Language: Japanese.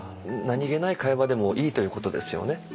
何気ない会話でもいいということですよね。